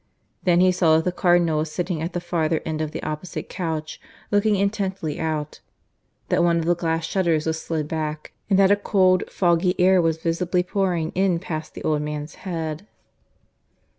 Then he saw that the Cardinal was sitting at the farther end of the opposite couch, looking intently out; that one of the glass shutters was slid back, and that a cold, foggy air was visibly pouring in past the old man's head.